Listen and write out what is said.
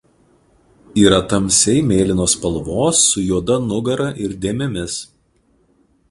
Yra tamsiai mėlynos spalvos su juoda nugara ir dėmėmis.